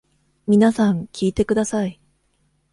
皆さん聞いてください。